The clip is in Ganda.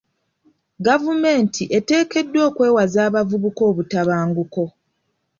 Gavumenti eteekeddwa okwewaza abavubuka obutabanguko.